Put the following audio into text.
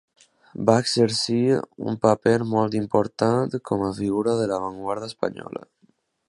Va exercir un paper molt important com a figura de l'avantguarda espanyola.